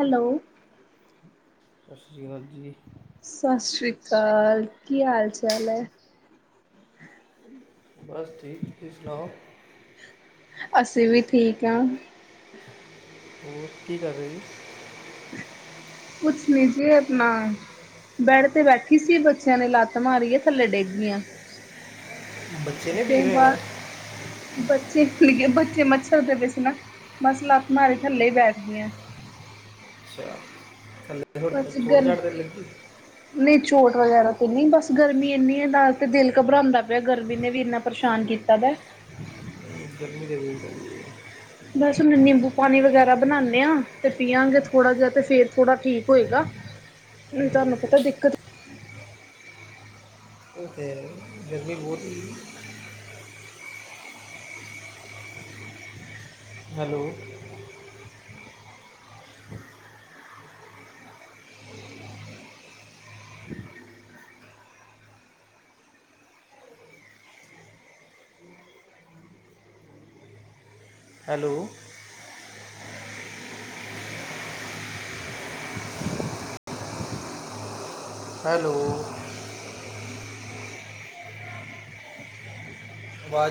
Hello ਸਸ ਸ੍ਰੀ ਕਾਲ ਜੀ। ਸਸ ਸ੍ਰੀ ਕਾਲ ਕੀ ਹਾਲ ਚਾਲ ਐ। ਬਸ ਠੀਕ ਤੁਸੀ ਸੁਣਾਓ। ਅਸੀਂ ਵੀ ਠੀਕ ਆ। ਹੋਰ ਕੀ ਕਰ ਰੇ ਜੀ। ਕੁਛ ਨੀ ਜੀ [unintelligible] ਬੈਡ ਤੇ ਬੈਠੀ ਸੀ ਬੱਚਿਆਂ ਨੇ ਲਾਤ ਮਾਰੀ ਆ ਥੱਲੇ ਡੇਗ ਗੀਆਂ। ਬੱਚੇ ਨੇ ਭੀਗੇ ਤੇ ਬਾ ਹੋਏ ਨੇ ਬੱਚੇ-ਬੱਚੇ ਮੱਛਰ ਦੇ ਪੇ ਸੀ ਨਾ ਬਸ ਲਾਤ ਮਾਰੀ ਥੱਲੇ ਈ ਬੈਠ ਗੀਆਂ। ਅੱਛਾ ਥੱਲ ਅੱਜ ਗਲ ਨਈ ਚੋਟ ਵਗੈਰਾ ਤਾਂ ਨੀ, ਬਸ ਗਰਮੀ ਇੰਨੀ ਐ ਦਸ ਤੇ ਦਿਲ ਘਬਰਾਉਂਦਾ ਪਿਆ ਗਰਮੀ ਨੇ ਵੀ ਇੰਨਾ ਪਰੇਸ਼ਾਨ ਕੀਤਾ ਦਾ। ਗਰਮੀ ਦੇ ਵੀ ਬਸ ਹੁਣ ਨਿੰਬੂ ਪਾਣੀ ਵਗੈਰਾ ਬਨਾਨੇ ਆਂ ਤੇ ਪੀਆਂਗੇ ਥੋੜ੍ਹਾ ਜਾ ਤੇ ਫਿਰ ਥੋੜ੍ਹਾ ਠੀਕ ਹੋਏਗਾ। ਤੁਹਾਨੂੰ ਪਤਾ ਦਿੱਕਤ ਓ ਤੇ ਐ ਗਰਮੀ ਬੋਤ ਹੀ ਹੈਲੋ। ਹੈਲੋ। ਹੈਲੋ। ਆਵਾਜ਼